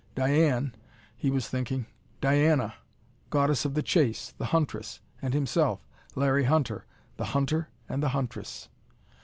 Diane, he was thinking Diana, goddess of the chase, the huntress! And himself, Larry Hunter the hunter and the huntress!